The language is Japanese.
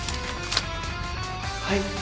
はい。